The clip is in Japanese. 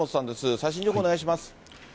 最新情報、お願いします。